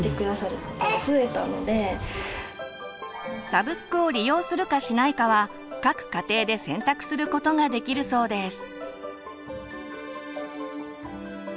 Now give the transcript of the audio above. サブスクを利用するかしないかは各家庭で選択することができるそうです。